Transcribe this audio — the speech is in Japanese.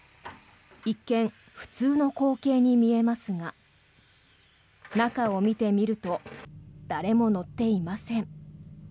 一見、普通の光景に見えますが中を見てみると誰も乗っていません。